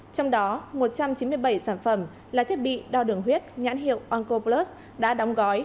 trong đó một trăm chín mươi bảy sản phẩm là thiết bị đo đường huyết nhãn hiệu aunco plus đã đóng gói